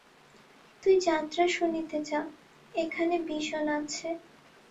তুই যাত্রা শুনিতে যা, এখানে বিষণ আছে।